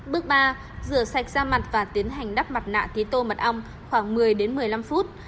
bước ba rửa sạch da mặt và tiến hành đắp mặt nạ tế tô mật ong khoảng một mươi một mươi năm phút